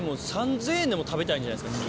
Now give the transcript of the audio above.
３０００円でも食べたいんじゃないですか。